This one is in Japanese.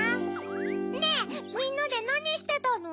ねぇみんなでなにしてたの？